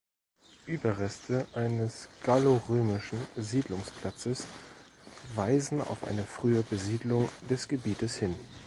Überreste eines gallorömischen Siedlungsplatzes weisen auf eine frühe Besiedlung des Gebietes hin.